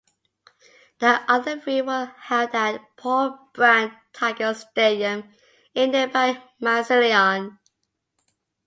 The other three were held at Paul Brown Tiger Stadium in nearby Massillon.